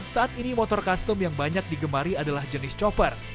saat ini motor custom yang banyak digemari adalah jenis chopper